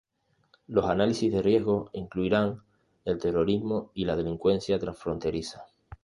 Los análisis de riesgos incluirán el terrorismo y la delincuencia transfronteriza.